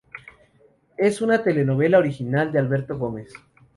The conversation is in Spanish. Es una telenovela original de Alberto Gómez.